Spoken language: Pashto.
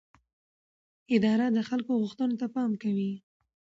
اداره د خلکو غوښتنو ته پام کوي.